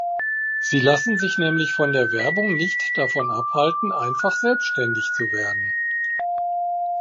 Sie lassen sich nämlich von der Werbung nicht davon abhalten, einfach selbstständig zu werden.